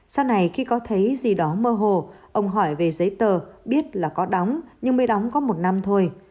sau này khi có thấy gì đó mơ hồ ông hỏi về giấy tờ biết là có đóng nhưng mới đóng có một năm thôi